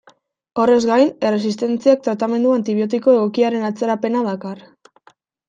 Horrez gain, erresistentziak tratamendu antibiotiko egokiaren atzerapena dakar.